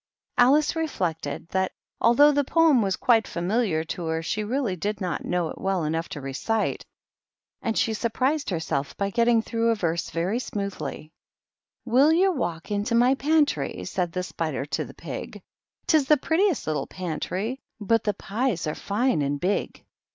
Alice reflected that, although the poem was quite familiar to her, she really did not know it well enough to recite, and she surprised herself by getting through a verse very smoothly. K 19 218 THE MOCK TURTLE. "* Will you walk into my pantry f said the spider to the pig. *' Tis the prettiest little pantry ^ but the pies are fine and big.